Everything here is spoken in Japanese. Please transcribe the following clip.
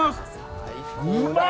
うまい！